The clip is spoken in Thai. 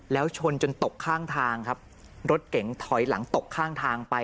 แล้วชนจนตกข้างทางครับรถเก๋งถอยหลังตกข้างทางไป